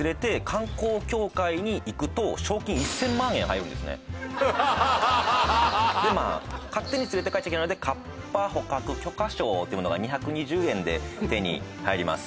入るんですねで勝手に連れて帰っちゃいけないのでカッパ捕獲許可証というものが２２０円で手に入ります